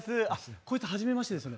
こいつ、はじめましてですよね。